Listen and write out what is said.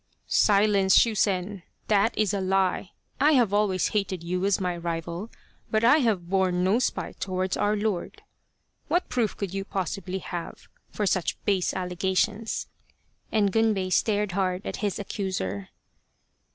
" Silence, Shusen ! That is a lie. I have always hated you as my rival, but I have borne no spite towards our Lord. What proof could you possibly have for such base allegations ?" and Gunbei stared hard at his accuser.